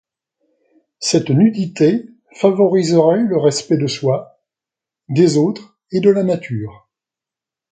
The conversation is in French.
Cette nudité favoriserait le respect de soi, des autres et de la nature.